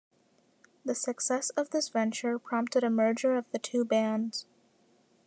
The success of this venture prompted a merger of the two bands.